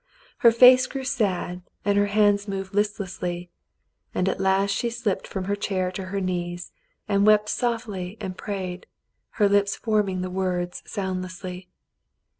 Her face grew sad and her hands moved listlessly, and at last she slipped from her chair to her knees and wept softly and prayed, her lips forming the words soundlessly.